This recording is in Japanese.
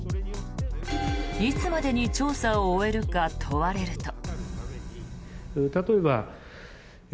いつまでに調査を終えるか問われると。